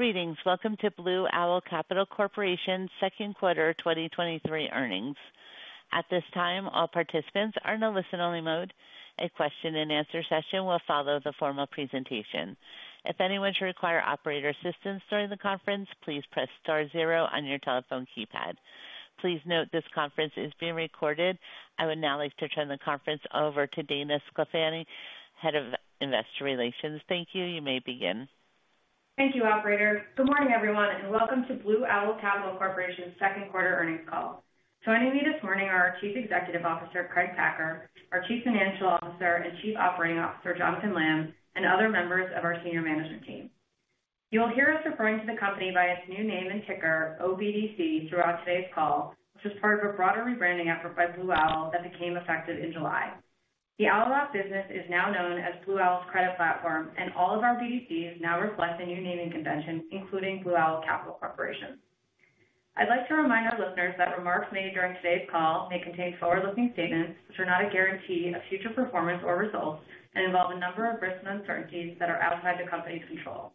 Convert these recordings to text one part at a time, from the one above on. Greetings. Welcome to Blue Owl Capital Corporation's second quarter 2023 earnings. At this time, all participants are in a listen-only mode. A question-and-answer session will follow the formal presentation. If anyone should require operator assistance during the conference, please press star zero on your telephone keypad. Please note this conference is being recorded. I would now like to turn the conference over to Dana Sclafani, Head of Investor Relations. Thank you. You may begin. Thank you, operator. Good morning, everyone, and welcome to Blue Owl Capital Corporation's second quarter earnings call. Joining me this morning are our Chief Executive Officer, Craig Packer, our Chief Financial Officer and Chief Operating Officer, Jonathan Lamm, and other members of our senior management team. You'll hear us referring to the company by its new name and ticker, OBDC, throughout today's call, which is part of a broader rebranding effort by Blue Owl that became effective in July. The Owl Rock business is now known as Blue Owl's Credit Platform, and all of our BDCs now reflect the new naming convention, including Blue Owl Capital Corporation. I'd like to remind our listeners that remarks made during today's call may contain forward-looking statements which are not a guarantee of future performance or results and involve a number of risks and uncertainties that are outside the company's control.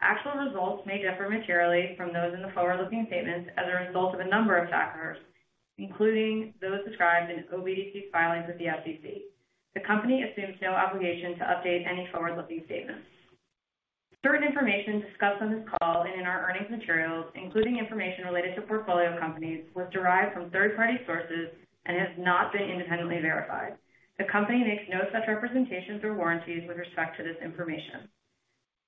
Actual results may differ materially from those in the forward-looking statements as a result of a number of factors, including those described in OBDC's filings with the SEC. The company assumes no obligation to update any forward-looking statements. Certain information discussed on this call and in our earnings materials, including information related to portfolio companies, was derived from third-party sources and has not been independently verified. The company makes no such representations or warranties with respect to this information.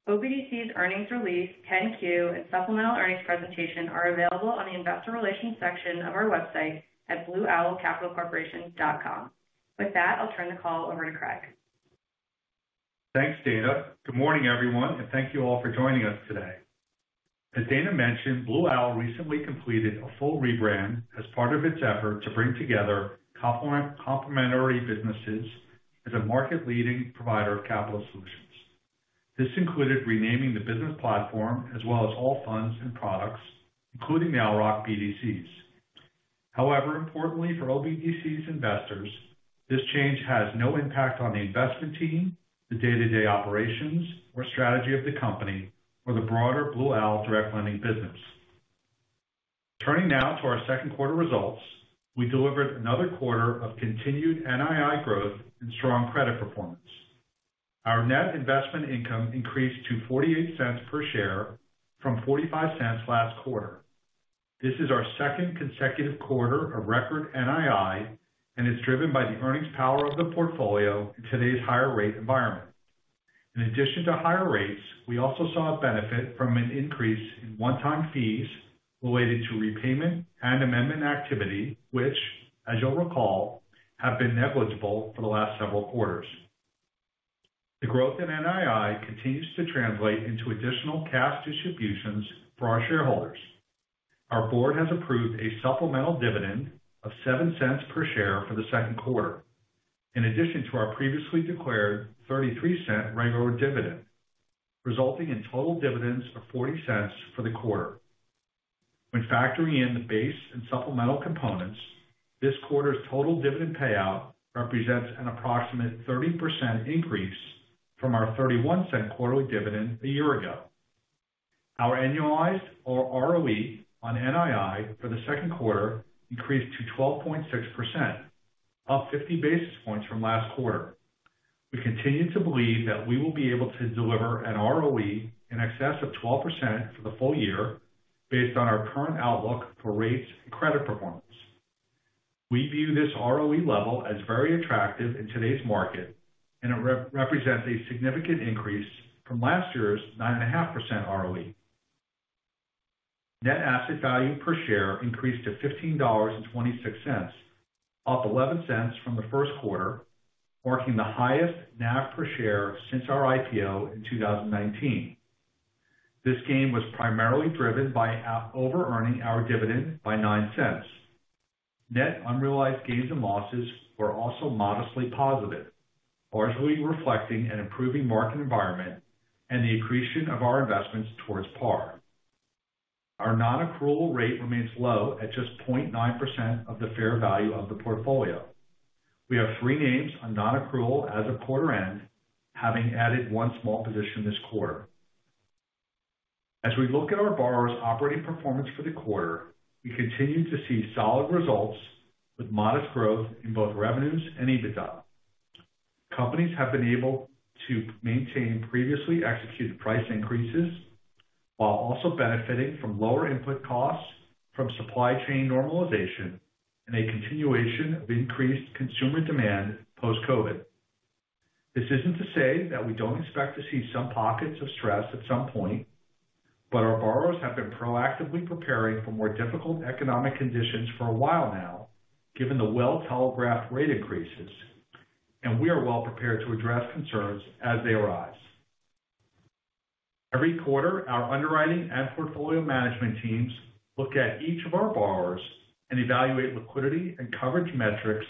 OBDC's earnings release, 10-Q, and supplemental earnings presentation are available on the Investor Relations section of our website at blueowlcapitalcorporation.com. With that, I'll turn the call over to Craig. Thanks, Dana. Good morning, everyone, and thank you all for joining us today. As Dana mentioned, Blue Owl recently completed a full rebrand as part of its effort to bring together complementary businesses as a market-leading provider of capital solutions. This included renaming the business platform as well as all funds and products, including the Owl Rock BDCs. However, importantly for OBDC's investors, this change has no impact on the investment team, the day-to-day operations or strategy of the company or the broader Blue Owl direct lending business. Turning now to our second quarter results, we delivered another quarter of continued NII growth and strong credit performance. Our net investment income increased to $0.48 per share from $0.45 last quarter. This is our second consecutive quarter of record NII and is driven by the earnings power of the portfolio in today's higher rate environment. In addition to higher rates, we also saw a benefit from an increase in one-time fees related to repayment and amendment activity, which, as you'll recall, have been negligible for the last several quarters. The growth in NII continues to translate into additional cash distributions for our shareholders. Our board has approved a supplemental dividend of $0.07 per share for the second quarter, in addition to our previously declared $0.33 regular dividend, resulting in total dividends of $0.40 for the quarter. When factoring in the base and supplemental components, this quarter's total dividend payout represents an approximate 30% increase from our $0.31 quarterly dividend a year ago. Our annualized or ROE on NII for the second quarter increased to 12.6%, up 50 basis points from last quarter. We continue to believe that we will be able to deliver an ROE in excess of 12% for the full year based on our current outlook for rates and credit performance. We view this ROE level as very attractive in today's market, and it represents a significant increase from last year's 9.5% ROE. Net asset value per share increased to $15.26, up $0.11 from the first quarter, marking the highest NAV per share since our IPO in 2019. This gain was primarily driven by app overearning our dividend by $0.09. Net unrealized gains and losses were also modestly positive, largely reflecting an improving market environment and the accretion of our investments towards par. Our non-accrual rate remains low at just 0.9% of the fair value of the portfolio. We have three names on non-accrual as of quarter end, having added one small position this quarter. As we look at our borrowers' operating performance for the quarter, we continue to see solid results with modest growth in both revenues and EBITDA. Companies have been able to maintain previously executed price increases while also benefiting from lower input costs from supply chain normalization and a continuation of increased consumer demand post-COVID. This isn't to say that we don't expect to see some pockets of stress at some point, but our borrowers have been proactively preparing for more difficult economic conditions for a while now, given the well-telegraphed rate increases, and we are well prepared to address concerns as they arise. Every quarter, our underwriting and portfolio management teams look at each of our borrowers and evaluate liquidity and coverage metrics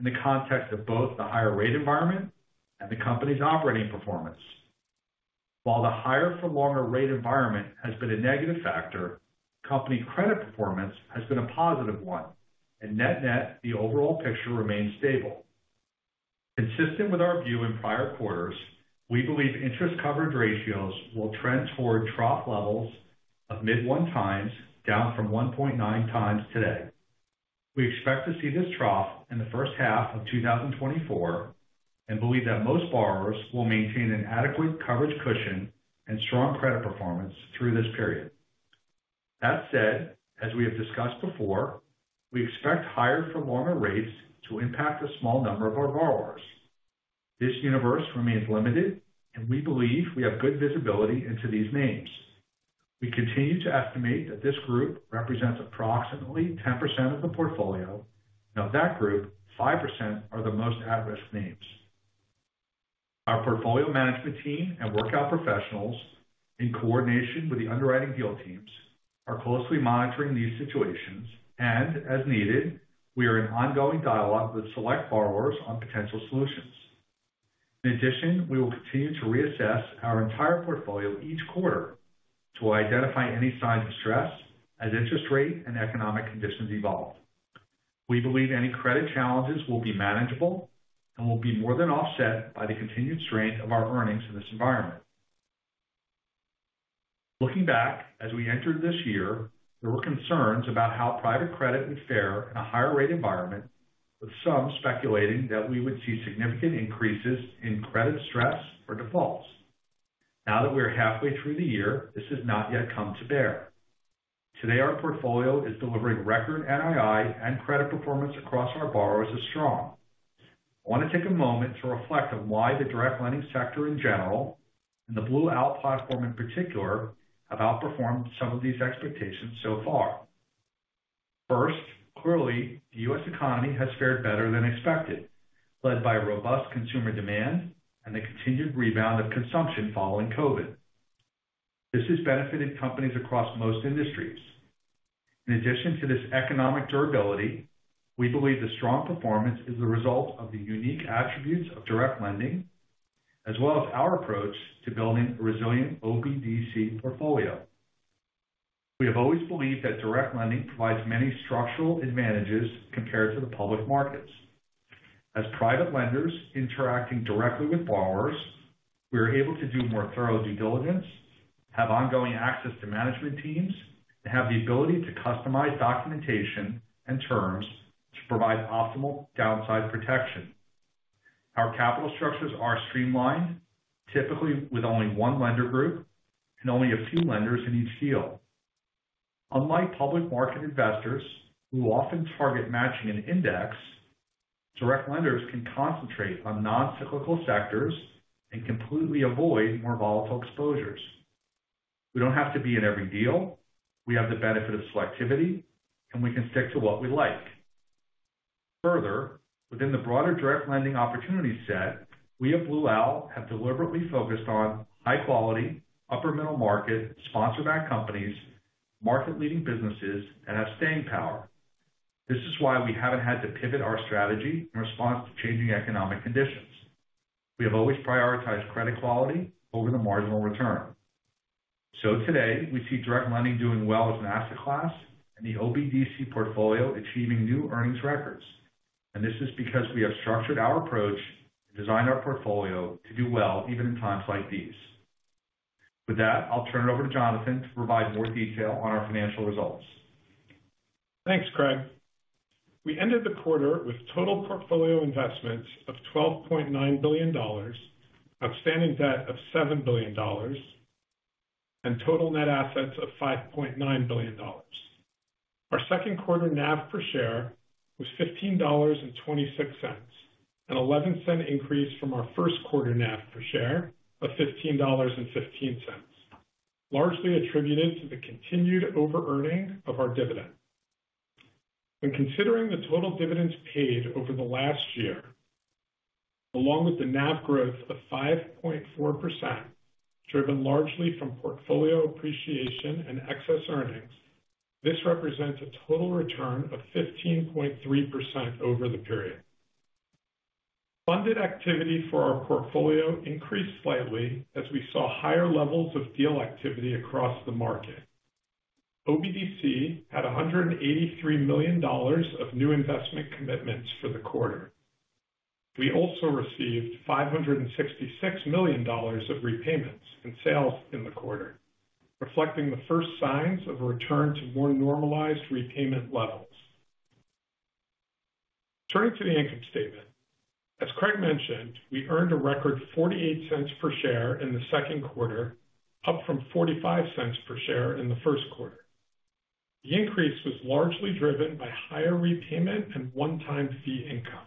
in the context of both the higher rate environment and the company's operating performance. While the higher for longer rate environment has been a negative factor, company credit performance has been a positive one, and net-net, the overall picture remains stable. Consistent with our view in prior quarters, we believe interest coverage ratios will trend toward trough levels of mid 1x, down from 1.9x today. We expect to see this trough in the first half of 2024, and believe that most borrowers will maintain an adequate coverage cushion and strong credit performance through this period. That said, as we have discussed before, we expect higher for longer rates to impact a small number of our borrowers. This universe remains limited, and we believe we have good visibility into these names. We continue to estimate that this group represents approximately 10% of the portfolio. Of that group, 5% are the most at-risk names. Our portfolio management team and workout professionals, in coordination with the underwriting deal teams, are closely monitoring these situations, and as needed, we are in ongoing dialogue with select borrowers on potential solutions. In addition, we will continue to reassess our entire portfolio each quarter to identify any signs of stress as interest rate and economic conditions evolve. We believe any credit challenges will be manageable and will be more than offset by the continued strength of our earnings in this environment. Looking back, as we entered this year, there were concerns about how private credit would fare in a higher rate environment, with some speculating that we would see significant increases in credit stress or defaults. Now that we are halfway through the year, this has not yet come to bear. Today, our portfolio is delivering record NII and credit performance across our borrowers is strong. I want to take a moment to reflect on why the direct lending sector in general, and the Blue Owl platform in particular, have outperformed some of these expectations so far. First, clearly, the US economy has fared better than expected, led by robust consumer demand and the continued rebound of consumption following COVID. This has benefited companies across most industries. In addition to this economic durability, we believe the strong performance is the result of the unique attributes of direct lending, as well as our approach to building a resilient OBDC portfolio. We have always believed that direct lending provides many structural advantages compared to the public markets. As private lenders interacting directly with borrowers, we are able to do more thorough due diligence, have ongoing access to management teams, and have the ability to customize documentation and terms to provide optimal downside protection. Our capital structures are streamlined, typically with only one lender group and only a few lenders in each deal. Unlike public market investors who often target matching an index, direct lenders can concentrate on non-cyclical sectors and completely avoid more volatile exposures. We don't have to be in every deal. We have the benefit of selectivity, and we can stick to what we like. Within the broader direct lending opportunity set, we at Blue Owl have deliberately focused on high quality, upper middle market, sponsor-backed companies, market-leading businesses, and have staying power. This is why we haven't had to pivot our strategy in response to changing economic conditions. We have always prioritized credit quality over the marginal return. Today, we see direct lending doing well as an asset class and the OBDC portfolio achieving new earnings records. This is because we have structured our approach and designed our portfolio to do well even in times like these. With that, I'll turn it over to Jonathan to provide more detail on our financial results. Thanks, Craig. We ended the quarter with total portfolio investments of $12.9 billion, outstanding debt of $7 billion, and total net assets of $5.9 billion. Our second quarter NAV per share was $15.26, an $0.11 increase from our first quarter NAV per share of $15.15, largely attributed to the continued overearning of our dividend. When considering the total dividends paid over the last year, along with the NAV growth of 5.4%, driven largely from portfolio appreciation and excess earnings, this represents a total return of 15.3% over the period. Funded activity for our portfolio increased slightly as we saw higher levels of deal activity across the market. OBDC had $183 million of new investment commitments for the quarter. We also received $566 million of repayments and sales in the quarter, reflecting the first signs of a return to more normalized repayment levels. Turning to the income statement. As Craig mentioned, we earned a record $0.48 per share in the second quarter, up from $0.45 per share in the first quarter. The increase was largely driven by higher repayment and one-time fee income.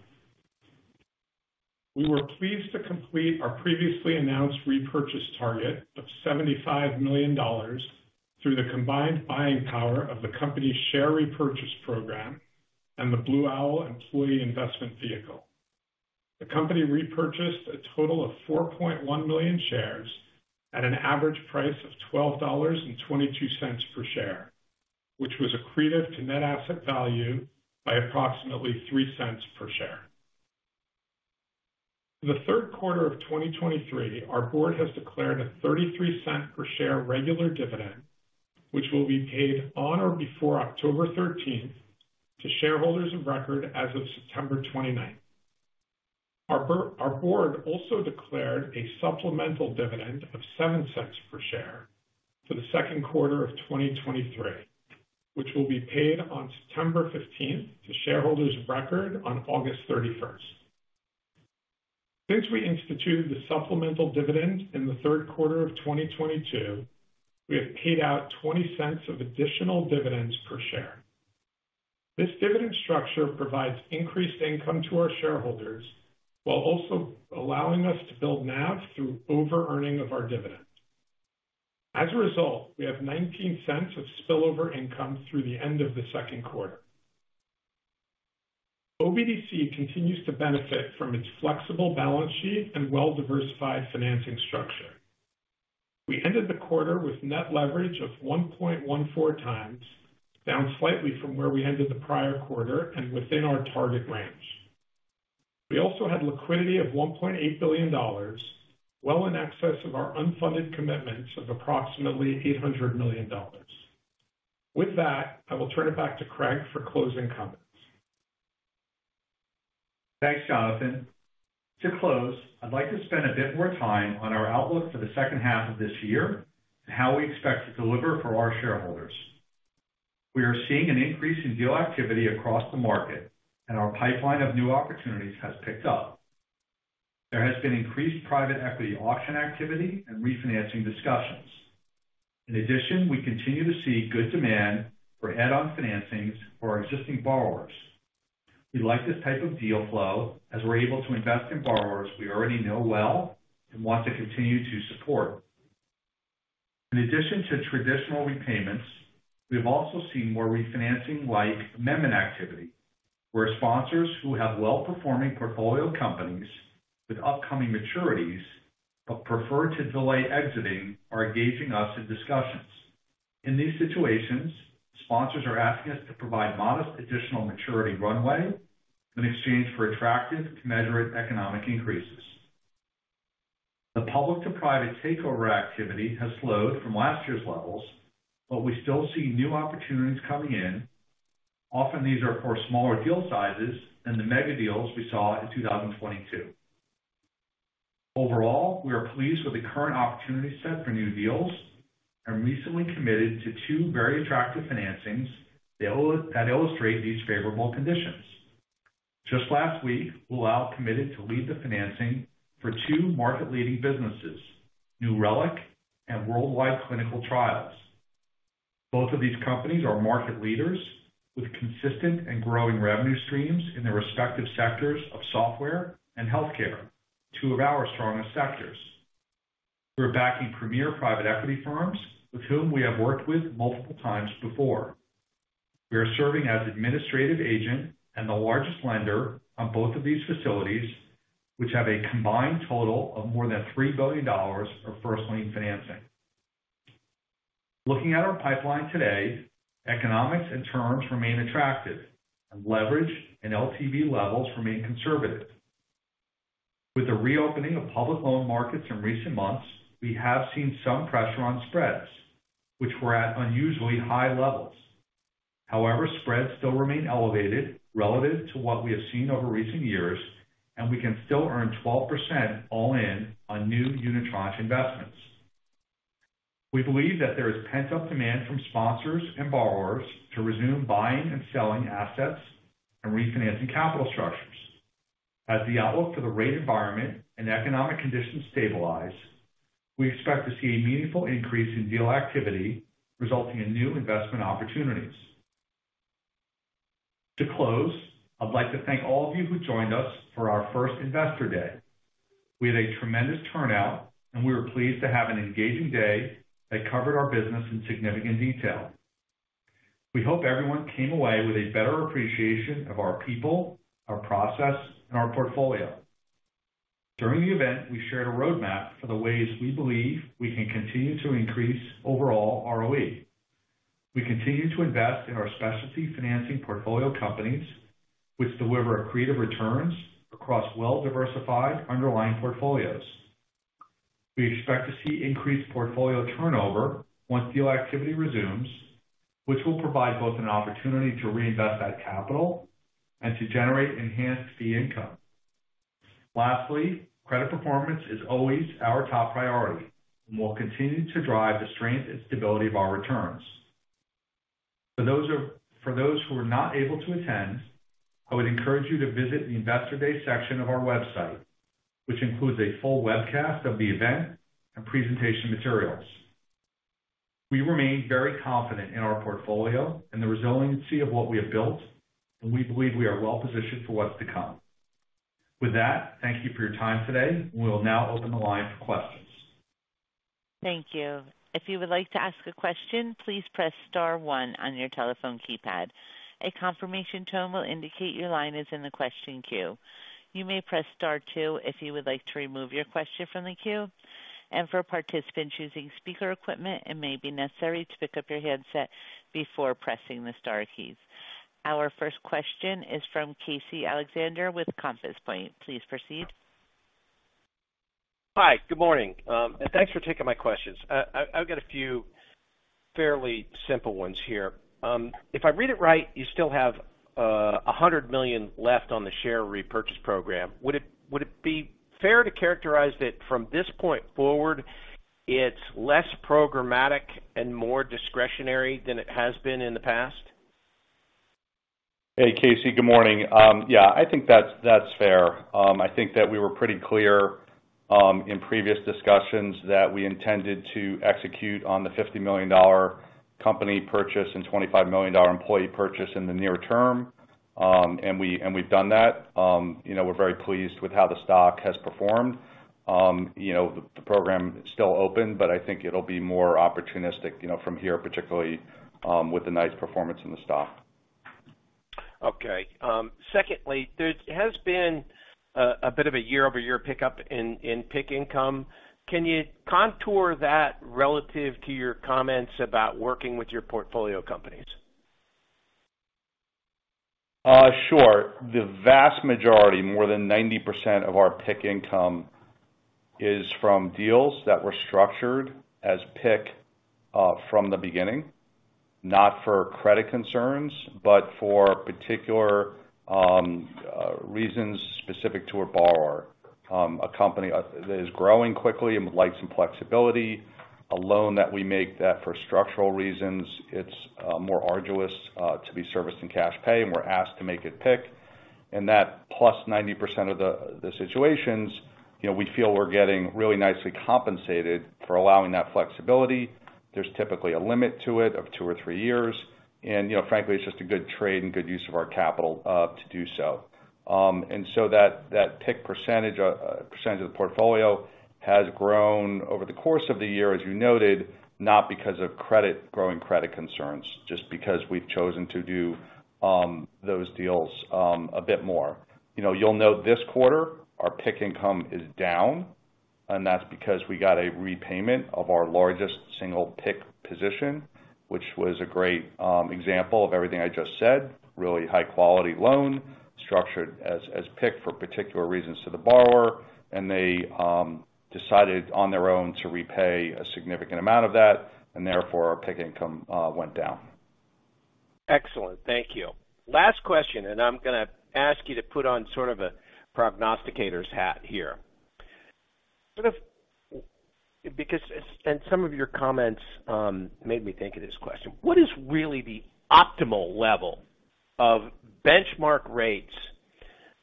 We were pleased to complete our previously announced repurchase target of $75 million through the combined buying power of the company's share repurchase program and the Blue Owl employee investment vehicle. The company repurchased a total of 4.1 million shares at an average price of $12.22 per share, which was accretive to net asset value by approximately $0.03 per share. In the third quarter of 2023, our board has declared a $0.33 per share regular dividend, which will be paid on or before October 13th, to shareholders of record as of September 29th. Our board also declared a supplemental dividend of $0.07 per share for the second quarter of 2023, which will be paid on September 15th to shareholders record on August 31st. Since we instituted the supplemental dividend in the third quarter of 2022, we have paid out $0.20 of additional dividends per share. This dividend structure provides increased income to our shareholders, while also allowing us to build NAV through overearning of our dividend. As a result, we have $0.19 of spillover income through the end of the second quarter. OBDC continues to benefit from its flexible balance sheet and well-diversified financing structure. We ended the quarter with net leverage of 1.14x, down slightly from where we ended the prior quarter and within our target range. We also had liquidity of $1.8 billion, well in excess of our unfunded commitments of approximately $800 million. With that, I will turn it back to Craig for closing comments. Thanks, Jonathan. To close, I'd like to spend a bit more time on our outlook for the second half of this year and how we expect to deliver for our shareholders. We are seeing an increase in deal activity across the market, and our pipeline of new opportunities has picked up. There has been increased private equity auction activity and refinancing discussions. In addition, we continue to see good demand for add-on financings for our existing borrowers. We like this type of deal flow as we're able to invest in borrowers we already know well and want to continue to support. In addition to traditional repayments, we've also seen more refinancing-like amendment activity, where sponsors who have well-performing portfolio companies with upcoming maturities, but prefer to delay exiting, are engaging us in discussions. In these situations, sponsors are asking us to provide modest additional maturity runway in exchange for attractive to moderate economic increases. The public-to-private takeover activity has slowed from last year's levels, but we still see new opportunities coming in. Often, these are for smaller deal sizes than the mega deals we saw in 2022. Overall, we are pleased with the current opportunity set for new deals and recently committed to two very attractive financings that illustrate these favorable conditions. Just last week, Blue Owl committed to lead the financing for two market-leading businesses, New Relic and Worldwide Clinical Trials. Both of these companies are market leaders with consistent and growing revenue streams in their respective sectors of software and healthcare, two of our strongest sectors. We're backing premier private equity firms, with whom we have worked with multiple times before. We are serving as administrative agent and the largest lender on both of these facilities, which have a combined total of more than $3 billion of first lien financing. Looking at our pipeline today, economics and terms remain attractive, and leverage and LTV levels remain conservative. With the reopening of public loan markets in recent months, we have seen some pressure on spreads, which were at unusually high levels. Spreads still remain elevated relative to what we have seen over recent years, and we can still earn 12% all-in on new unitranche investments. We believe that there is pent-up demand from sponsors and borrowers to resume buying and selling assets and refinancing capital structures. As the outlook for the rate environment and economic conditions stabilize, we expect to see a meaningful increase in deal activity, resulting in new investment opportunities. To close, I'd like to thank all of you who joined us for our first Investor Day. We had a tremendous turnout, and we were pleased to have an engaging day that covered our business in significant detail. We hope everyone came away with a better appreciation of our people, our process, and our portfolio. During the event, we shared a roadmap for the ways we believe we can continue to increase overall ROE. We continue to invest in our specialty finance portfolio companies, which deliver accretive returns across well-diversified underlying portfolios. We expect to see increased portfolio turnover once deal activity resumes, which will provide both an opportunity to reinvest that capital and to generate enhanced fee income. Lastly, credit performance is always our top priority and will continue to drive the strength and stability of our returns. For those who were not able to attend, I would encourage you to visit the Investor Day section of our website, which includes a full webcast of the event and presentation materials. We remain very confident in our portfolio and the resiliency of what we have built. We believe we are well positioned for what's to come. With that, thank you for your time today. We'll now open the line for questions. Thank you. If you would like to ask a question, please press star one on your telephone keypad. A confirmation tone will indicate your line is in the question queue. You may press star two if you would like to remove your question from the queue, and for a participant choosing speaker equipment, it may be necessary to pick up your handset before pressing the star keys. Our first question is from Casey Alexander with Compass Point. Please proceed. Hi, good morning. Thanks for taking my questions. I, I've got a few fairly simple ones here. If I read it right, you still have $100 million left on the share repurchase program. Would it, would it be fair to characterize that from this point forward, it's less programmatic and more discretionary than it has been in the past? Hey, Casey, good morning. Yeah, I think that's fair. I think that we were pretty clear in previous discussions that we intended to execute on the $50 million company purchase and $25 million employee purchase in the near term. We, and we've done that. You know, we're very pleased with how the stock has performed. You know, the, the program is still open, but I think it'll be more opportunistic, you know, from here, particularly with the nice performance in the stock. Okay. Secondly, there has been a bit of a year-over-year pickup in PIK income. Can you contour that relative to your comments about working with your portfolio companies? Sure. The vast majority, more than 90% of our PIK income, is from deals that were structured as PIK from the beginning, not for credit concerns, but for particular reasons specific to a borrower. A company that is growing quickly and would like some flexibility, a loan that we make that for structural reasons, it's more arduous to be serviced in cash pay, and we're asked to make it PIK. That +90% of the situations, you know, we feel we're getting really nicely compensated for allowing that flexibility. There's typically a limit to it of two or three years, and, you know, frankly, it's just a good trade and good use of our capital to do so. That, that PIK percentage, percentage of the portfolio has grown over the course of the year, as you noted, not because of credit- growing credit concerns, just because we've chosen to do those deals a bit more. You know, you'll note this quarter, our PIK income is down, that's because we got a repayment of our largest single PIK position, which was a great example of everything I just said. Really high-quality loan, structured as, as PIK for particular reasons to the borrower, they decided on their own to repay a significant amount of that, therefore, our PIK income went down. Excellent. Thank you. Last question, and I'm gonna ask you to put on sort of a prognosticator's hat here. Sort of... Because, and some of your comments, made me think of this question: What is really the optimal level of benchmark rates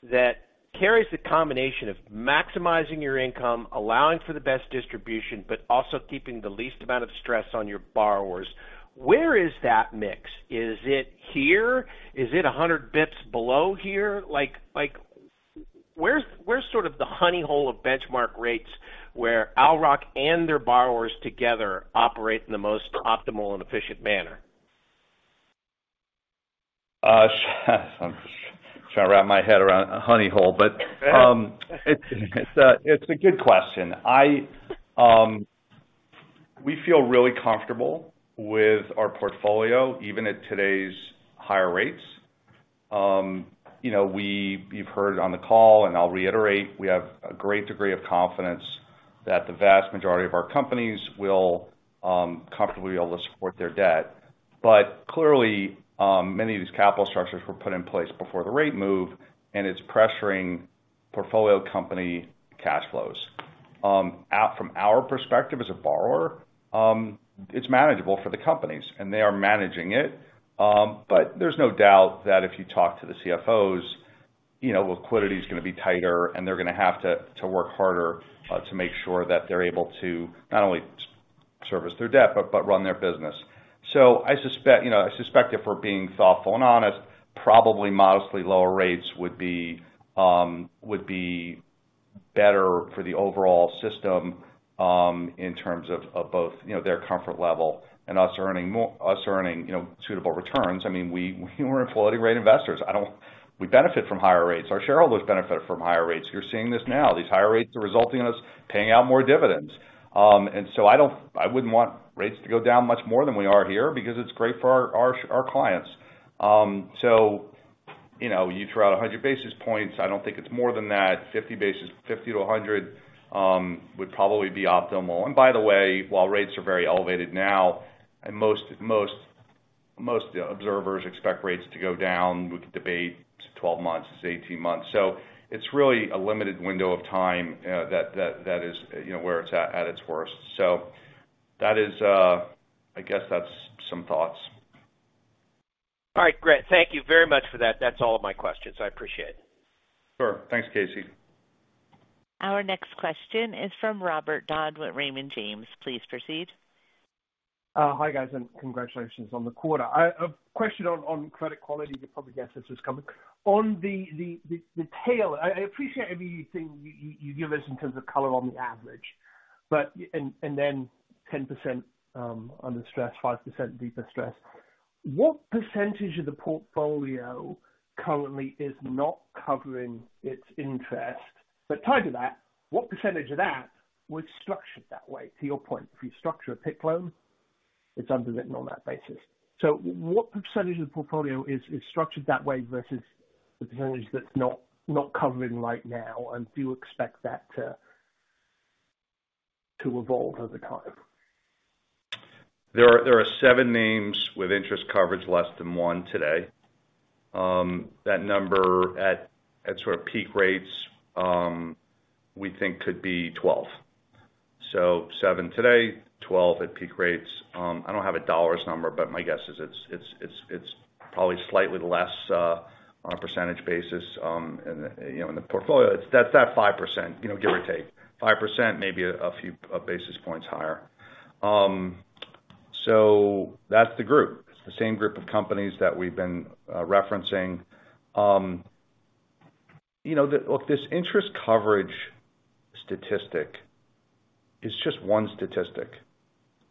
that carries the combination of maximizing your income, allowing for the best distribution, but also keeping the least amount of stress on your borrowers? Where is that mix? Is it here? Is it 100 basis points below here? Like, like, where's, where's sort of the honey hole of benchmark rates where ORCC and their borrowers together operate in the most optimal and efficient manner? I'm trying to wrap my head around a honey hole, but it's a good question. I, we feel really comfortable with our portfolio, even at today's higher rates. You know, you've heard it on the call, and I'll reiterate, we have a great degree of confidence that the vast majority of our companies will comfortably be able to support their debt. Clearly, many of these capital structures were put in place before the rate move, and it's pressuring portfolio company cash flows. From our perspective as a borrower, it's manageable for the companies, and they are managing it. There's no doubt that if you talk to the CFOs, you know, liquidity is gonna be tighter, and they're gonna have to work harder, to make sure that they're able to not only service their debt, but run their business. I suspect, you know, I suspect if we're being thoughtful and honest, probably modestly lower rates would be, would be better for the overall system, in terms of both, you know, their comfort level and us earning, you know, suitable returns. I mean, we, we're floating rate investors. We benefit from higher rates. Our shareholders benefit from higher rates. You're seeing this now. These higher rates are resulting in us paying out more dividends. I wouldn't want rates to go down much more than we are here because it's great for our, our, our clients. You know, you throw out 100 basis points, I don't think it's more than that. 50 basis points, 50-100 basis points, would probably be optimal. By the way, while rates are very elevated now, and most observers expect rates to go down, we could debate it's 12 months, it's 18 months. It's really a limited window of time, that is, you know, where it's at, at its worst. That is. I guess that's some thoughts. All right, great. Thank you very much for that. That's all of my questions. I appreciate it. Sure. Thanks, Casey. Our next question is from Robert Dodd with Raymond James. Please proceed. Hi, guys, congratulations on the quarter. A question on credit quality, the public assets is coming. On the tail, I appreciate everything you give us in terms of color on the average, and then 10% under stress, 5% deeper stress. What percentage of the portfolio currently is not covering its interest? Tied to that, what percentage of that was structured that way? To your point, if you structure a PIK loan, it's underwritten on that basis. What percentage of the portfolio is structured that way versus the percentage that's not covered right now? Do you expect that to evolve over time? There are, there are seven names with interest coverage less than one today. That number at, at sort of peak rates, we think could be 12. Seven today, 12 at peak rates. I don't have a dollars number, but my guess is it's, it's, it's, it's probably slightly less on a percentage basis, in the, you know, in the portfolio. It's that, that 5%, you know, give or take. 5%, maybe a few basis points higher. That's the group. It's the same group of companies that we've been referencing. You know, look, this interest coverage statistic is just 1 statistic.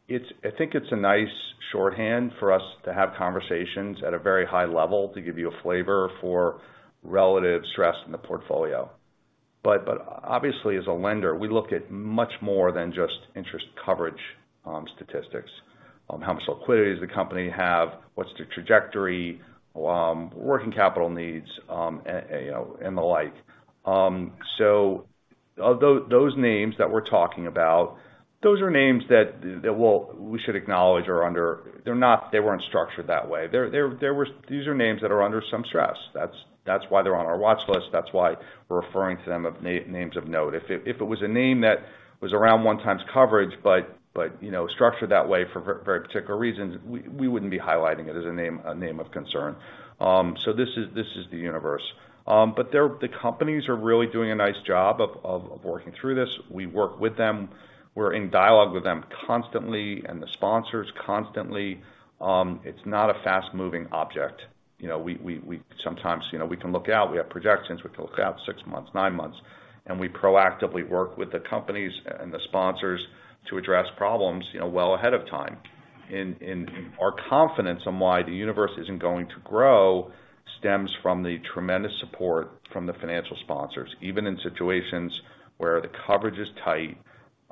It's I think it's a nice shorthand for us to have conversations at a very high level, to give you a flavor for relative stress in the portfolio. Obviously, as a lender, we look at much more than just interest coverage statistics. How much liquidity does the company have? What's the trajectory? Working capital needs, you know, and the like. Although those names that we're talking about, those are names that, that well, we should acknowledge are under. They're not-- they weren't structured that way. These are names that are under some stress. That's, that's why they're on our watch list. That's why we're referring to them of names of note. If it was a name that was around one times coverage, but, you know, structured that way for very particular reasons, we, we wouldn't be highlighting it as a name, a name of concern. This is, this is the universe. But they're the companies are really doing a nice job of, of, of working through this. We work with them. We're in dialogue with them constantly, and the sponsors constantly. It's not a fast-moving object. You know, we, we, we sometimes, you know, we can look out. We have projections. We can look out six months, nine months, and we proactively work with the companies and the sponsors to address problems, you know, well ahead of time. Our confidence on why the universe isn't going to grow, stems from the tremendous support from the financial sponsors, even in situations where the coverage is tight,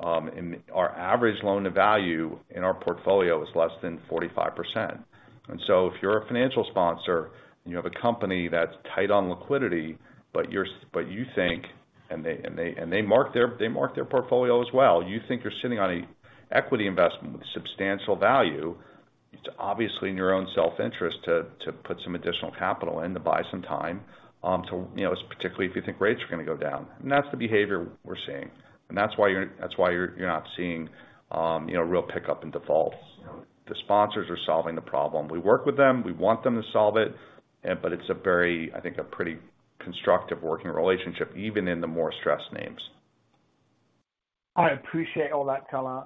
and our average loan-to-value in our portfolio is less than 45%. If you're a financial sponsor and you have a company that's tight on liquidity, but you think, and they, and they, and they mark their, they mark their portfolio as well, you think you're sitting on a equity investment with substantial value, it's obviously in your own self-interest to, to put some additional capital in to buy some time, to, you know, particularly if you think rates are going to go down. That's the behavior we're seeing. That's why you're, that's why you're, you're not seeing, you know, real pickup in defaults. The sponsors are solving the problem. We work with them. We want them to solve it, but it's a very, I think, a pretty constructive working relationship, even in the more stressed names. I appreciate all that color.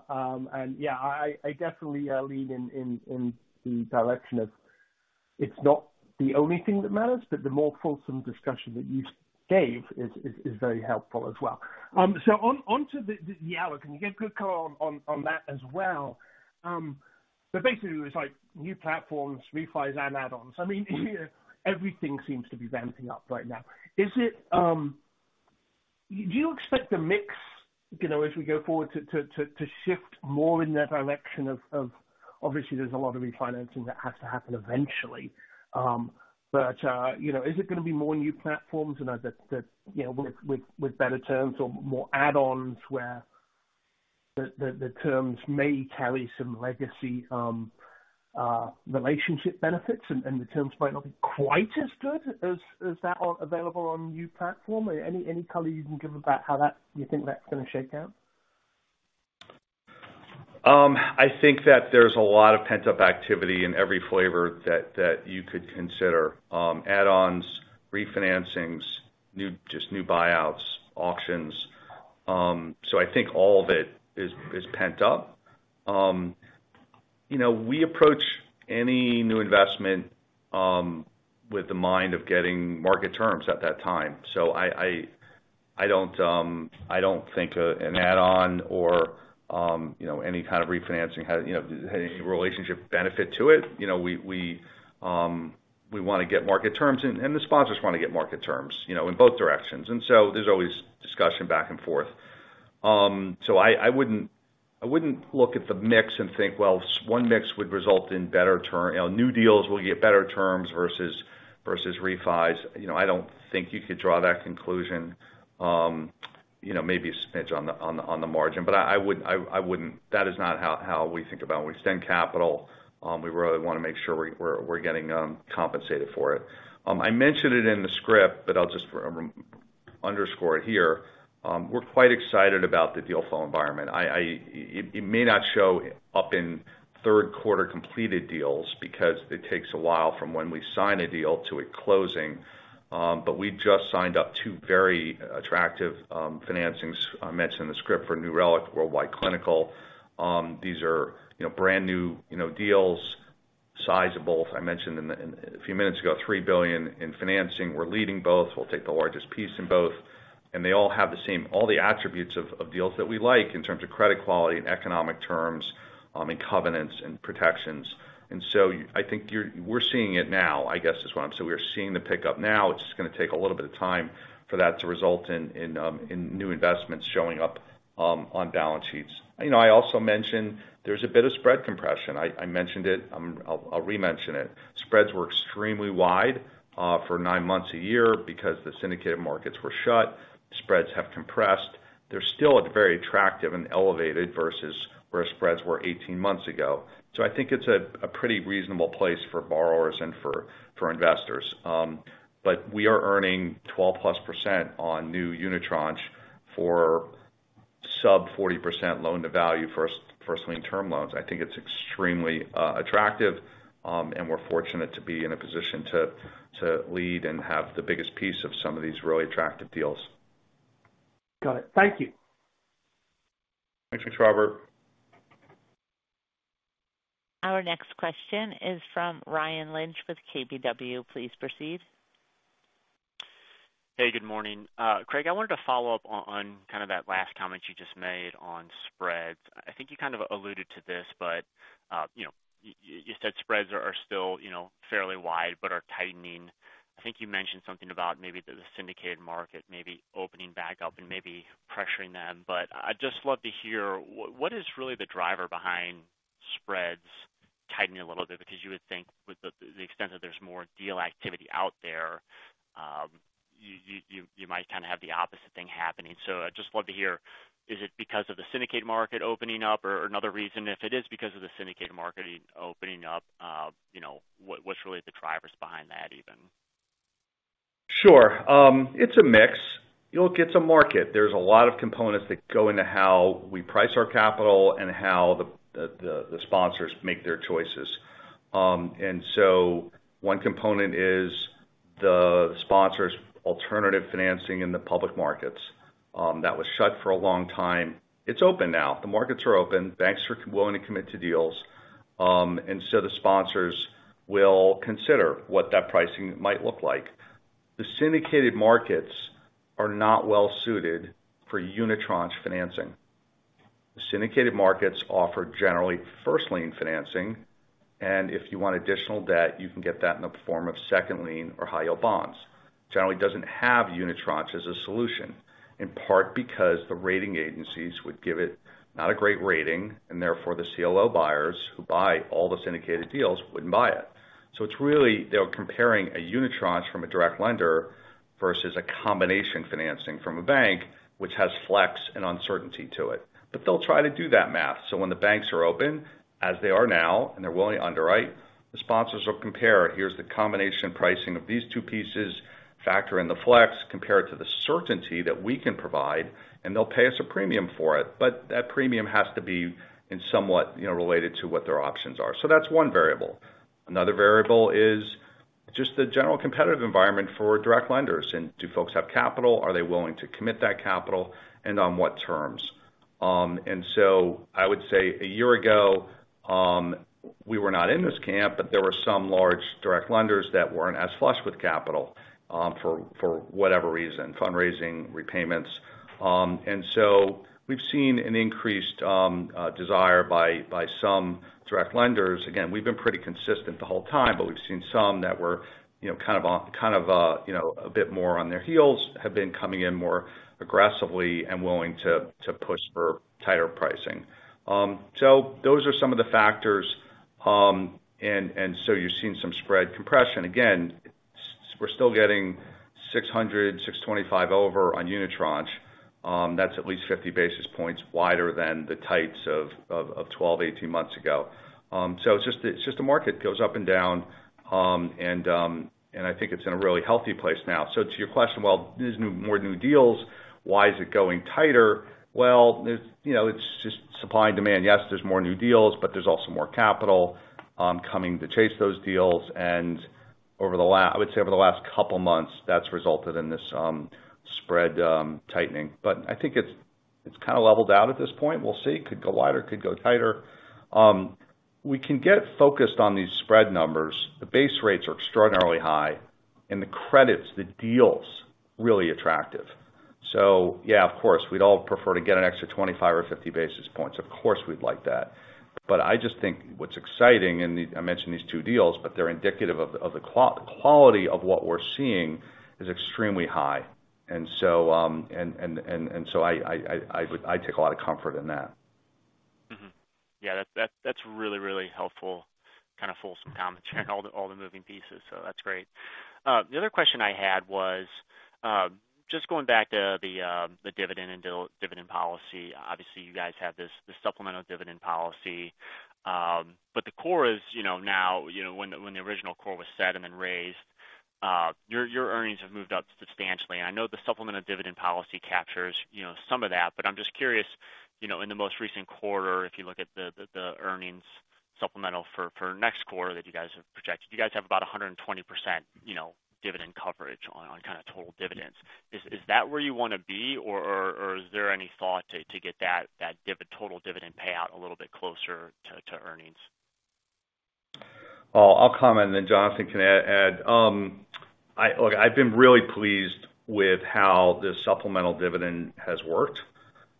Yeah, I, I definitely lean in, in, in the direction of it's not the only thing that matters, but the more fulsome discussion that you gave is, is, is very helpful as well. So onto the Willow. Can you give good color on that as well? So basically, it's like new platforms, refis and add-ons. I mean, everything seems to be ramping up right now. Is it? Do you expect the mix, you know, as we go forward, to, to, to, to shift more in the direction of, of obviously, there's a lot of refinancing that has to happen eventually? You know, is it going to be more new platforms, you know, that, that, you know, with, with, with better terms or more add-ons, where the, the, the terms may carry some legacy relationship benefits, and, and the terms might not be quite as good as, as that available on new platform? Any, any color you can give about how that, you think that's going to shake out? I think that there's a lot of pent-up activity in every flavor that, that you could consider, add-ons, refinancings, just new buyouts, auctions. I think all of it is, is pent up. You know, we approach any new investment, with the mind of getting market terms at that time. I, I, I don't, I don't think, an add-on or, you know, any kind of refinancing has, you know, has any relationship benefit to it. You know, we, we, we want to get market terms, and, and the sponsors want to get market terms, you know, in both directions. There's always discussion back and forth. I wouldn't, I wouldn't look at the mix and think, well, one mix would result in better term. You know, new deals will get better terms versus, versus refis. You know, I don't think you could draw that conclusion, you know, maybe a pinch on the, on the, on the margin. I, I would-- I, I wouldn't. That is not how, how we think about when we extend capital. We really want to make sure we're, we're getting, compensated for it. I mentioned it in the script, but I'll just re- underscore it here. We're quite excited about the deal flow environment. It may not show up in third quarter completed deals because it takes a while from when we sign a deal to it closing, we just signed up two very attractive, financings. I mentioned in the script for New Relic, Worldwide Clinical. These are, you know, brand new, you know, deals. Size of both, I mentioned in the, a few minutes ago, $3 billion in financing. We're leading both. We'll take the largest piece in both. They all have the same all the attributes of deals that we like in terms of credit quality and economic terms, and covenants and protections. I think we're seeing it now, I guess, is what I'm saying. We're seeing the pickup now. It's going to take a little bit of time for that to result in, in new investments showing up on balance sheets. You know, I also mentioned there's a bit of spread compression. I, I mentioned it, I'll, I'll remention it. Spreads were extremely wide for nine months a year because the syndicated markets were shut. Spreads have compressed. They're still at very attractive and elevated versus where spreads were 18 months ago. I think it's a, a pretty reasonable place for borrowers and for, for investors. But we are earning 12%+ on new unitranche for sub 40% loan-to-value first, first lien term loans. I think it's extremely attractive, and we're fortunate to be in a position to, to lead and have the biggest piece of some of these really attractive deals. Got it. Thank you. Thank you, Robert. Our next question is from Ryan Lynch with KBW. Please proceed. Hey, good morning. Craig, I wanted to follow up on, on kind of that last comment you just made on spreads. I think you kind of alluded to this, but, you know, you said spreads are, are still, you know, fairly wide but are tightening. I think you mentioned something about maybe the syndicated market maybe opening back up and maybe pressuring them, but I'd just love to hear what is really the driver behind spreads tightening a little bit? Because you would think with the, the extent that there's more deal activity out there, you, you, you might kind of have the opposite thing happening. I'd just love to hear, is it because of the syndicated market opening up or, another reason? If it is because of the syndicated market opening up, you know, what, what's really the drivers behind that even? Sure. It's a mix. Look, it's a market. There's a lot of components that go into how we price our capital and how the sponsors make their choices. So one component is the sponsors alternative financing in the public markets, that was shut for a long time. It's open now. The markets are open, banks are willing to commit to deals, so the sponsors will consider what that pricing might look like. The syndicated markets are not well suited for unitranche financing. The syndicated markets offer generally first lien financing, and if you want additional debt, you can get that in the form of second lien or high-yield bonds. Generally doesn't have unitranche as a solution, in part because the rating agencies would give it not a great rating, and therefore, the CLO buyers who buy all the syndicated deals wouldn't buy it. It's really they're comparing a unitranche from a direct lender versus a combination financing from a bank, which has flex and uncertainty to it. They'll try to do that math. When the banks are open, as they are now, and they're willing to underwrite, the sponsors will compare, here's the combination pricing of these two pieces, factor in the flex, compare it to the certainty that we can provide, and they'll pay us a premium for it. That premium has to be in somewhat, you know, related to what their options are. That's one variable. Another variable is just the general competitive environment for direct lenders. Do folks have capital? Are they willing to commit that capital, and on what terms? I would say one year ago, we were not in this camp, but there were some large direct lenders that weren't as flush with capital, for, for whatever reason, fundraising, repayments. We've seen an increased desire by, by some direct lenders. Again, we've been pretty consistent the whole time, but we've seen some that were, you know, a bit more on their heels, have been coming in more aggressively and willing to, to push for tighter pricing. Those are some of the factors. You're seeing some spread compression. Again, we're still getting 600, 625 over on unitranche. That's at least 50 basis points wider than the tights of, of, of 12, 18 months ago. It's just, it's just the market goes up and down, and, and I think it's in a really healthy place now. To your question, well, there's new- more new deals. Why is it going tighter? Well, you know, it's just supply and demand. Yes, there's more new deals, but there's also more capital coming to chase those deals. Over the la-- I would say over the last couple months, that's resulted in this spread tightening. I think it's, it's kind of leveled out at this point. We'll see. It could go wider, it could go tighter. We can get focused on these spread numbers. The base rates are extraordinarily high, and the credits, the deals, really attractive. Yeah, of course, we'd all prefer to get an extra 25 or 50 basis points. Of course, we'd like that. I just think what's exciting, and I mentioned these two deals, but they're indicative of the quality of what we're seeing is extremely high. I take a lot of comfort in that. Yeah, that, that's really, really helpful, kind of fulsome commentary on all the, all the moving pieces, so that's great. The other question I had was just going back to the dividend and dil- dividend policy. Obviously, you guys have this, this supplemental dividend policy, but the core is, you know, now, you know, when the, when the original core was set and then raised, your, your earnings have moved up substantially. I know the supplemental dividend policy captures, you know, some of that, but I'm just curious, you know, in the most recent quarter, if you look at the, the, the earnings supplemental for, for next quarter that you guys have projected, you guys have about 120%, you know, dividend coverage on, on kind of total dividends. Is that where you want to be, or is there any thought to get that total dividend payout a little bit closer to earnings? Well, I'll comment and then Jonathan can add. I look, I've been really pleased with how this supplemental dividend has worked.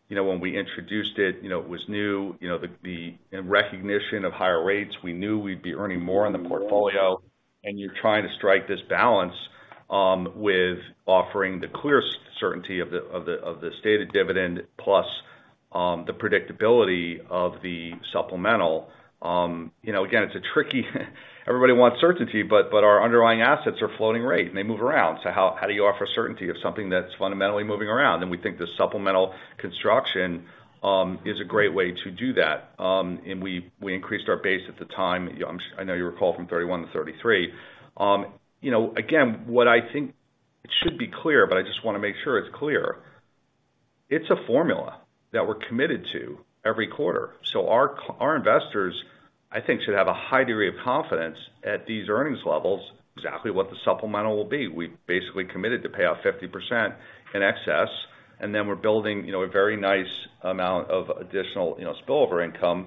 You know, when we introduced it, you know, it was new, you know, the, the, in recognition of higher rates, we knew we'd be earning more on the portfolio. You're trying to strike this balance with offering the clear certainty of the, of the, of the stated dividend, plus, the predictability of the supplemental. You know, again, it's a tricky, everybody wants certainty, but, but our underlying assets are floating rate, and they move around. So how, how do you offer certainty of something that's fundamentally moving around? We think the supplemental construction is a great way to do that. We, we increased our base at the time. I know you recall from $0.31-$0.33. You know, again, what I think it should be clear, but I just wanna make sure it's clear. It's a formula that we're committed to every quarter. Our investors, I think, should have a high degree of confidence at these earnings levels, exactly what the supplemental will be. We've basically committed to pay out 50% in excess, and then we're building, you know, a very nice amount of additional, you know, spillover income,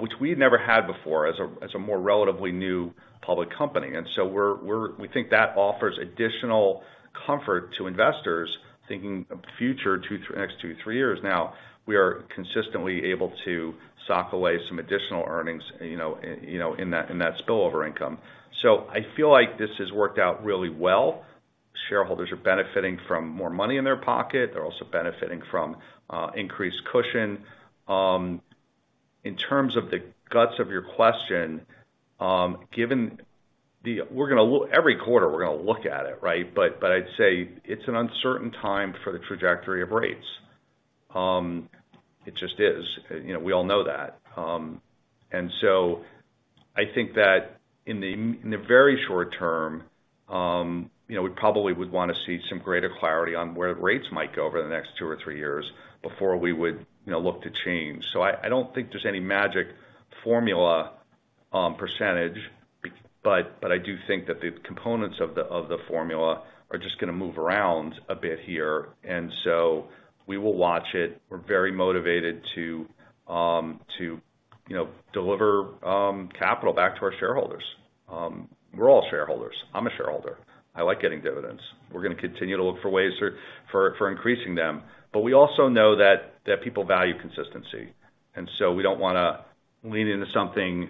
which we'd never had before as a, as a more relatively new public company. We think that offers additional comfort to investors thinking of the future, two, next two, three years. We are consistently able to sock away some additional earnings, you know, in that, in that spillover income. I feel like this has worked out really well. Shareholders are benefiting from more money in their pocket. They're also benefiting from increased cushion. In terms of the guts of your question, given the... We're gonna look every quarter, we're gonna look at it, right? I'd say it's an uncertain time for the trajectory of rates. It just is. You know, we all know that. I think that in the very short term, you know, we probably would wanna see some greater clarity on where rates might go over the next two or three years before we would, you know, look to change. I, I don't think there's any magic formula, percentage, but I do think that the components of the formula are just gonna move around a bit here, and so we will watch it. We're very motivated to, to, you know, deliver capital back to our shareholders. We're all shareholders. I'm a shareholder. I like getting dividends. We're gonna continue to look for ways for, for, for increasing them. We also know that, that people value consistency, and so we don't wanna lean into something,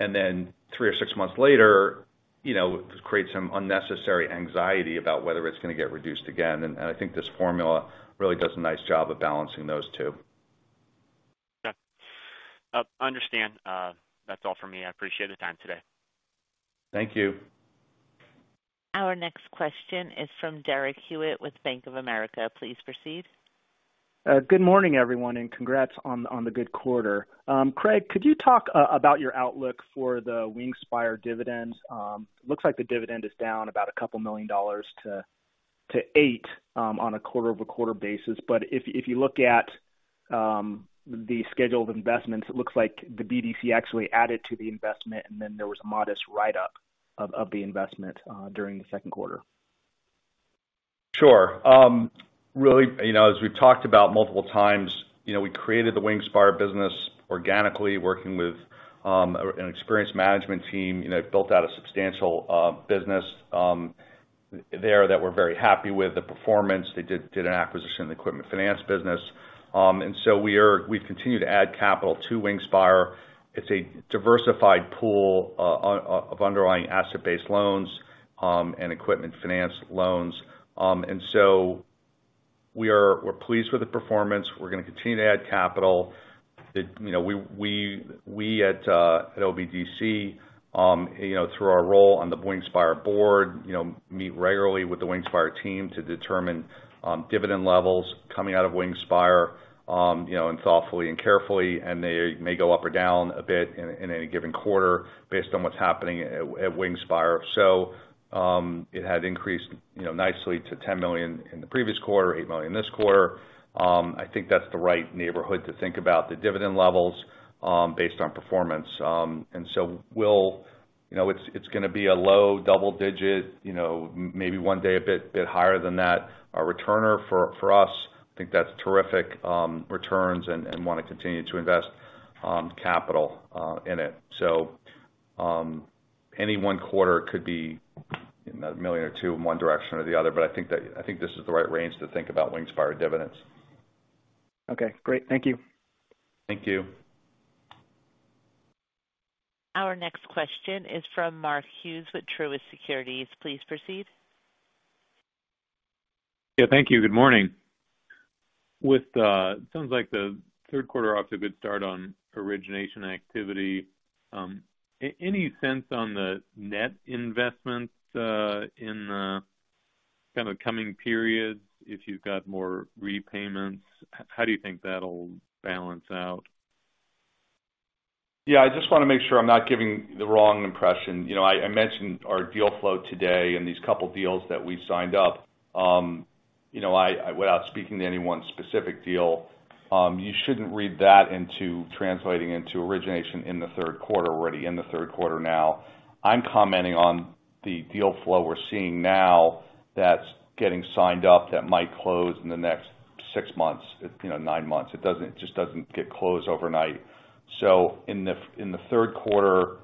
and then 3 or 6 months later, you know, create some unnecessary anxiety about whether it's gonna get reduced again. I think this formula really does a nice job of balancing those two. Understand. That's all for me. I appreciate the time today. Thank you. Our next question is from Derek Hewett with Bank of America. Please proceed. Good morning, everyone, and congrats on, on the good quarter. Craig, could you talk about your outlook for the Wingspire dividends? Looks like the dividend is down about $2 million to, to $8 million on a quarter-over-quarter basis. If, if you look at the scheduled investments, it looks like the BDC actually added to the investment, and then there was a modest write-up of, of the investment during the second quarter. Sure. Really, you know, as we've talked about multiple times, you know, we created the Wingspire business organically, working with an experienced management team, you know, built out a substantial business there that we're very happy with the performance. They did an acquisition in the equipment finance business. We've continued to add capital to Wingspire. It's a diversified pool of underlying asset-based loans and equipment finance loans. We are, we're pleased with the performance. We're gonna continue to add capital. It, you know, we, we, we at OBDC, you know, through our role on the Wingspire board, you know, meet regularly with the Wingspire team to determine dividend levels coming out of Wingspire, you know, and thoughtfully and carefully, and they may go up or down a bit in any given quarter based on what's happening at Wingspire. It had increased, you know, nicely to $10 million in the previous quarter, $8 million this quarter. I think that's the right neighborhood to think about the dividend levels, based on performance. We'll, you know, it's, it's gonna be a low double digit, you know, maybe one day, a bit, bit higher than that. Our returner for us, I think that's terrific, returns and wanna continue to invest capital in it. Any one quarter could be $1 million or $2 million in one direction or the other, but I think that, I think this is the right range to think about Wingspire dividends. Okay, great. Thank you. Thank you. Our next question is from Mark Hughes with Truist Securities. Please proceed. Yeah, thank you. Good morning. With, sounds like the third quarter off to a good start on origination activity. Any sense on the net investments in the kind of coming periods, if you've got more repayments? How do you think that'll balance out? Yeah, I just wanna make sure I'm not giving the wrong impression. You know, I, I mentioned our deal flow today and these couple deals that we've signed up. You know, I, without speaking to any one specific deal, you shouldn't read that into translating into origination in the third quarter, already in the third quarter now. I'm commenting on the deal flow we're seeing now that's getting signed up, that might close in the next six months, you know, nine months. It doesn't, just doesn't get closed overnight. In the in the third quarter,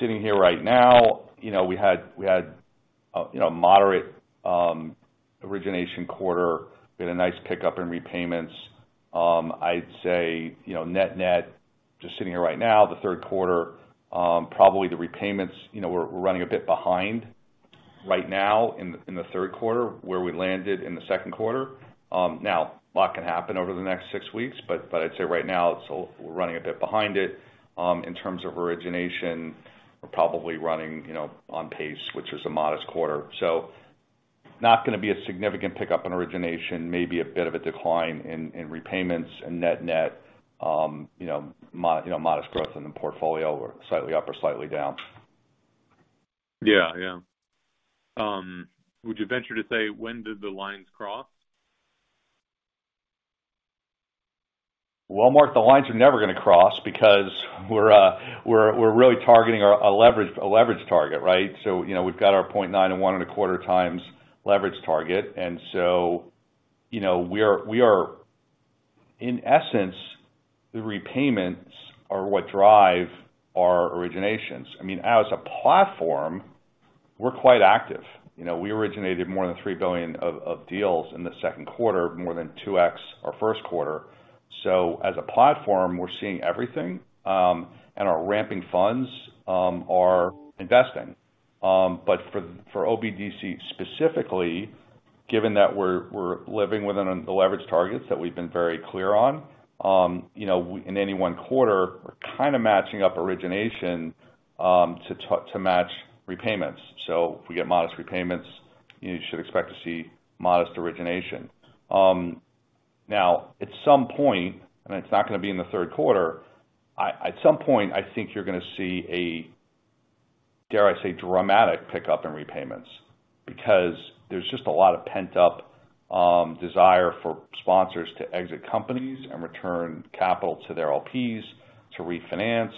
sitting here right now, you know, we had, you know, moderate origination quarter. We had a nice pick up in repayments. I'd say, you know, net-net, just sitting here right now, the third quarter, probably the repayments, you know, we're, we're running a bit behind right now in, in the third quarter, where we landed in the second quarter. Now, a lot can happen over the next six weeks, but I'd say right now, we're running a bit behind it. In terms of origination, we're probably running, you know, on pace, which is a modest quarter. Not gonna be a significant pickup in origination, maybe a bit of a decline in, in repayments and net-net, you know, modest growth in the portfolio, or slightly up or slightly down. Yeah. Yeah. would you venture to say, when did the lines cross? Well, Mark, the lines are never gonna cross because we're really targeting a leverage, a leverage target, right? You know, we're got our 0.9x and 1.25x leverage target. You know, we are in essence, the repayments are what drive our originations. I mean, as a platform, we're quite active. You know, we originated more than $3 billion of deals in the second quarter, more than 2x our first quarter. As a platform, we're seeing everything, and our ramping funds are investing. For OBDC specifically, given that we're living within the leverage targets that we've been very clear on, you know, in any one quarter, we're kind of matching up origination to match repayments. If we get modest repayments, you should expect to see modest origination. Now, at some point, and it's not gonna be in the third quarter, at some point, I think you're gonna see a, dare I say, dramatic pickup in repayments. There's just a lot of pent-up desire for sponsors to exit companies and return capital to their LPs to refinance.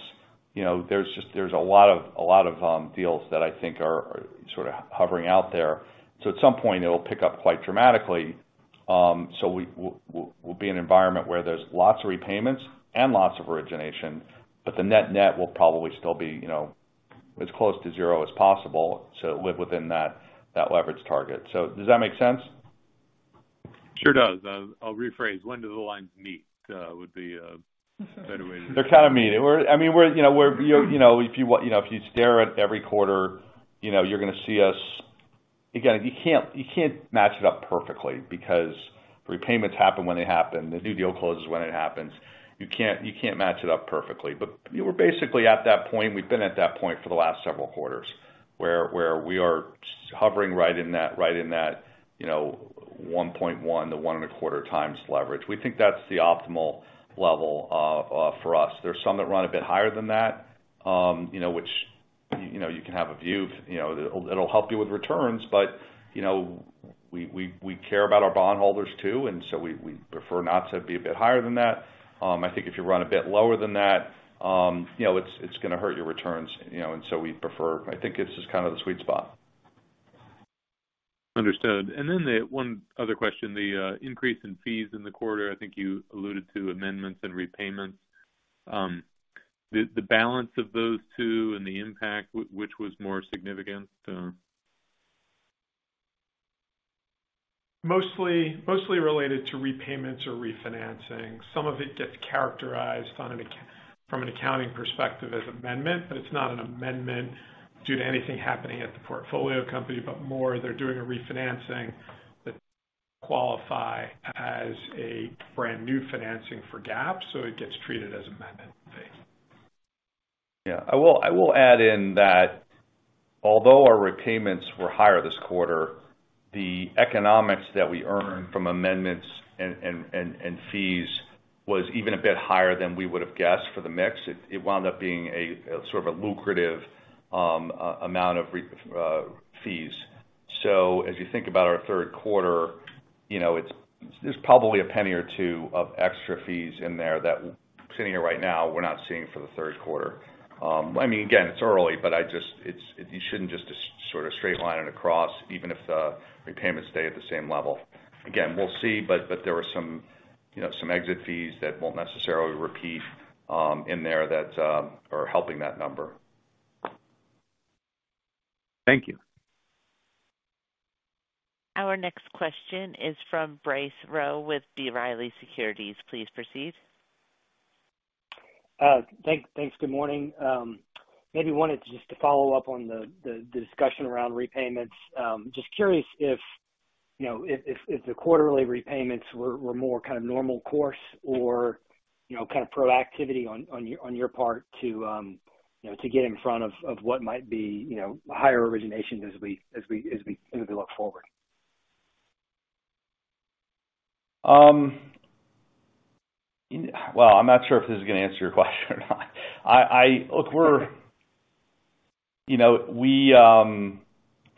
You know, there's just there's a lot of, a lot of deals that I think are, are sort of hovering out there. At some point, it'll pick up quite dramatically. We'll be in an environment where there's lots of repayments and lots of origination, but the net-net will probably still be, you know, as close to zero as possible to live within that, that leverage target. Does that make sense? Sure does. I'll rephrase. When do the lines meet, would be, better way to- They're kind of meeting. We're, I mean, we're, you know, we're, you know, if you, you know, if you stare at every quarter, you know, you're gonna see us. Again, you can't, you can't match it up perfectly because repayments happen when they happen. The new deal closes when it happens. You can't, you can't match it up perfectly. You know, we're basically at that point, we've been at that point for the last several quarters, where, where we are hovering right in that, right in that, you know, 1.1x-1.25x leverage. We think that's the optimal level for us. There are some that run a bit higher than that, you know, which, you know, you can have a view, you know, it'll, it'll help you with returns, but, you know, we, we, we care about our bondholders too, and so we, we prefer not to be a bit higher than that. I think if you run a bit lower than that, you know, it's, it's gonna hurt your returns, you know, and so we prefer-- I think it's just kind of the sweet spot. Understood. Then the... One other question, the increase in fees in the quarter. I think you alluded to amendments and repayments. The, the balance of those two and the impact, which was more significant? Mostly, mostly related to repayments or refinancing. Some of it gets characterized from an accounting perspective as amendment, but it's not an amendment due to anything happening at the portfolio company, but more they're doing a refinancing that qualify as a brand new financing for GAAP, so it gets treated as amendment fee. Yeah. I will, I will add in that although our repayments were higher this quarter, the economics that we earned from amendments and, and, and, and fees was even a bit higher than we would have guessed for the mix. It, it wound up being a, a sort of a lucrative amount of fees. As you think about our third quarter, you know, there's probably $0.01 or $0.02 of extra fees in there that, sitting here right now, we're not seeing for the third quarter. I mean, again, it's early, but you shouldn't just sort of straight line it across, even if the repayments stay at the same level. Again, we'll see, but there were some, you know, some exit fees that won't necessarily repeat in there that are helping that number. Thank you. Our next question is from Bryce Rowe with B. Riley Securities. Please proceed. Thanks. Good morning. Maybe wanted just to follow up on the, the, the discussion around repayments. Just curious if, you know, if, if, if the quarterly repayments were, were more kind of normal course or, you know, kind of proactivity on, on your, on your part to, you know, to get in front of, of what might be, you know, higher origination as we, as we, as we, as we look forward? Well, I'm not sure if this is gonna answer your question or not. I look, we're you know, we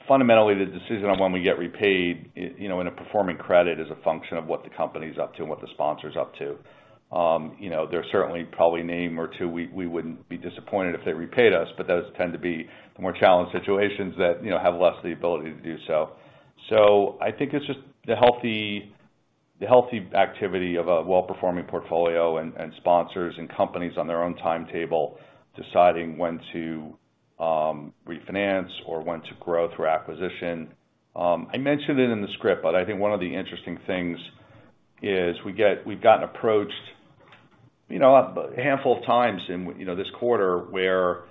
fundamentally, the decision on when we get repaid, you know, in a performing credit, is a function of what the company's up to and what the sponsor's up to. You know, there are certainly probably a name or two, we, we wouldn't be disappointed if they repaid us, but those tend to be the more challenged situations that, you know, have less the ability to do so. I think it's just a healthy the healthy activity of a well-performing portfolio and, and sponsors and companies on their own timetable, deciding when to refinance or when to grow through acquisition. I mentioned it in the script, I think one of the interesting things is we've gotten approached, you know, a handful of times in, you know, this quarter, where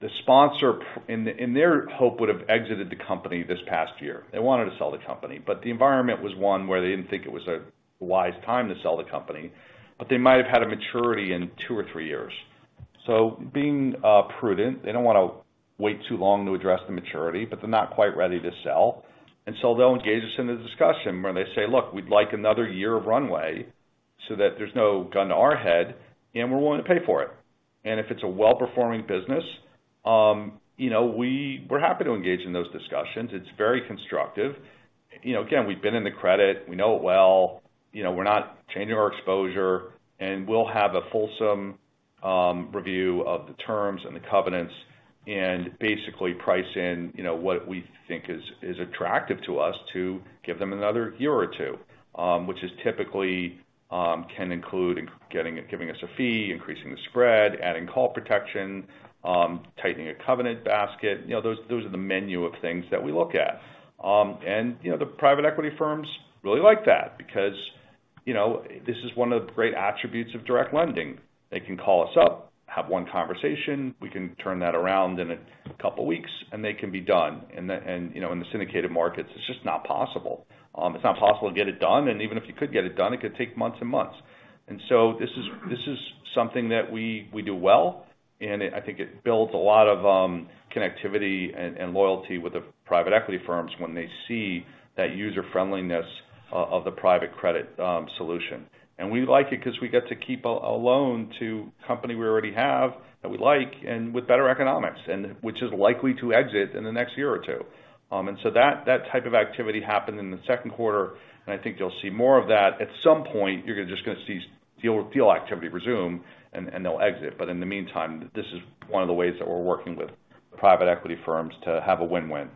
the sponsor, in, in their hope, would have exited the company this past year. They wanted to sell the company, the environment was one where they didn't think it was a wise time to sell the company, but they might have had a maturity in two or three years. Being prudent, they don't wanna wait too long to address the maturity, but they're not quite ready to sell. They'll engage us in a discussion where they say, "Look, we'd like another year of runway so that there's no gun to our head, and we're willing to pay for it." If it's a well-performing business, you know, we-we're happy to engage in those discussions. It's very constructive. You know, again, we've been in the credit. We know it well. You know, we're not changing our exposure, and we'll have a fulsome review of the terms and the covenants and basically price in, you know, what we think is, is attractive to us to give them another year or two, which is typically can include getting-- giving us a fee, increasing the spread, adding call protection, tightening a covenant basket. You know, those, those are the menu of things that we look at. You know, the private equity firms really like that because, you know, this is one of the great attributes of direct lending. They can call us up, have one conversation, we can turn that around in a couple of weeks, and they can be done. You know, in the syndicated markets, it's just not possible. It's not possible to get it done, and even if you could get it done, it could take months and months. This is, this is something that we, we do well, and I think it builds a lot of connectivity and loyalty with the private equity firms when they see that user-friendliness of the private credit solution. We like it because we get to keep a, a loan to a company we already have, that we like, and with better economics, and which is likely to exit in the next year or two. So that, that type of activity happened in the second quarter, and I think you'll see more of that. At some point, you're just gonna see deal, deal activity resume, and, and they'll exit. In the meantime, this is one of the ways that we're working with private equity firms to have a win-win.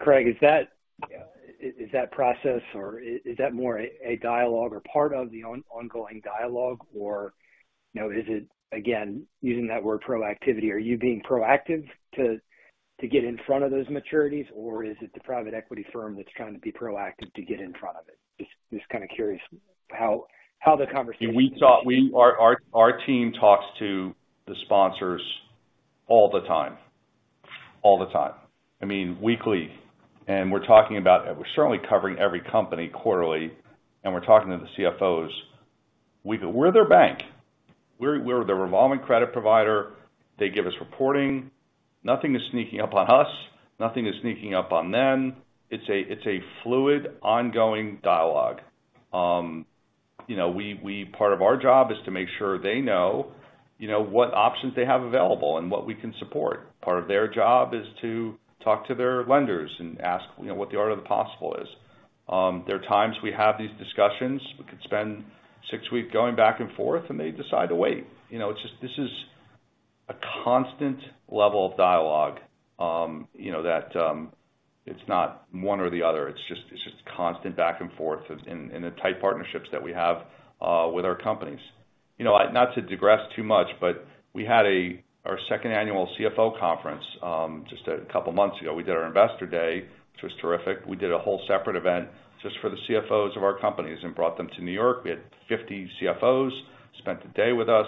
Craig, is that process or is that more a dialogue or part of the ongoing dialogue? Or, you know, is it, again, using that word proactivity, are you being proactive to get in front of those maturities, or is it the private equity firm that's trying to be proactive to get in front of it? Just kind of curious how the conversation- We talk. Our team talks to the sponsors all the time. All the time. I mean, weekly. We're certainly covering every company quarterly, and we're talking to the CFOs. We're their bank. We're the revolving credit provider. They give us reporting. Nothing is sneaking up on us. Nothing is sneaking up on them. It's a fluid, ongoing dialogue. You know, part of our job is to make sure they know, you know, what options they have available and what we can support. Part of their job is to talk to their lenders and ask, you know, what the art of the possible is. There are times we have these discussions. We could spend six weeks going back and forth, and they decide to wait. You know, it's just, this is a constant level of dialogue, you know, that, it's not one or the other. It's just, it's just constant back and forth in, in the tight partnerships that we have with our companies. You know, not to digress too much, but we had our second annual CFO conference, just a couple of months ago. We did our Investor Day, which was terrific. We did a whole separate event just for the CFOs of our companies and brought them to New York. We had 50 CFOs, spent the day with us.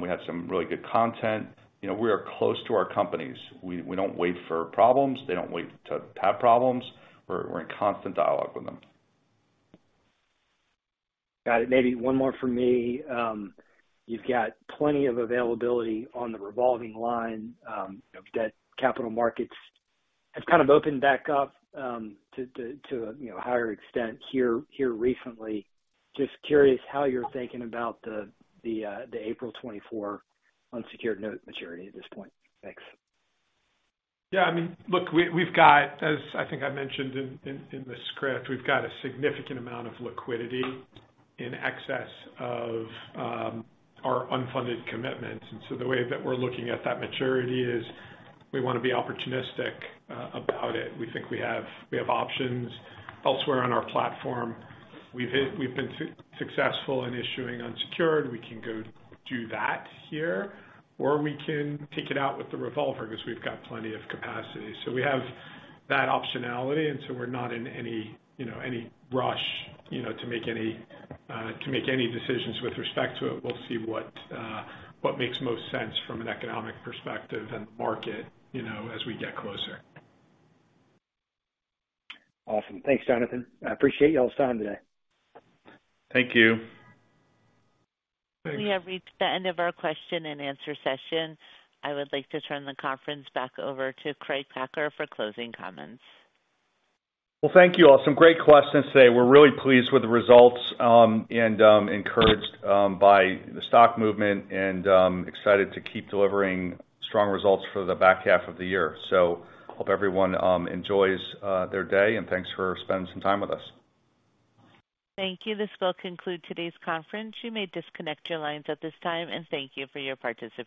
We had some really good content. You know, we are close to our companies. We, we don't wait for problems. They don't wait to have problems. We're, we're in constant dialogue with them. Got it. Maybe one more for me. You've got plenty of availability on the revolving line, of debt. Capital markets have kind of opened back up, you know, higher extent here, here recently. Just curious how you're thinking about the April 2024 unsecured note maturity at this point. Thanks. Yeah, I mean, look, we've got, as I think I mentioned in the script, we've got a significant amount of liquidity in excess of our unfunded commitments. The way that we're looking at that maturity is, we want to be opportunistic about it. We think we have, we have options elsewhere on our platform. We've been, we've been successful in issuing unsecured. We can go do that here, or we can take it out with the revolver because we've got plenty of capacity. We have that optionality, and so we're not in any, you know, any rush, you know, to make any decisions with respect to it. We'll see what makes most sense from an economic perspective and market, you know, as we get closer. Awesome. Thanks, Jonathan. I appreciate y'all's time today. Thank you. We have reached the end of our question-and-answer session. I would like to turn the conference back over to Craig Packer for closing comments. Well, thank you, all. Some great questions today. We're really pleased with the results, and encouraged by the stock movement and excited to keep delivering strong results for the back half of the year. Hope everyone enjoys their day, and thanks for spending some time with us. Thank you. This will conclude today's conference. You may disconnect your lines at this time, and thank you for your participation.